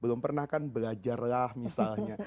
belum pernah kan belajarlah misalnya